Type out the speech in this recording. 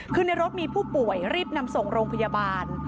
คือในรถมีผู้ป่วยรีบนำส่งโรงพยาบาล